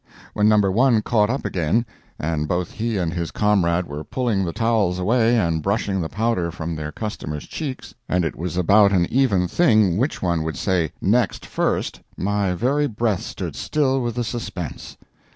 When No. 1 caught up again, and both he and his comrade were pulling the towels away and brushing the powder from their customers' cheeks, and it was about an even thing which one would say "Next!" first, my very breath stood still with the suspense.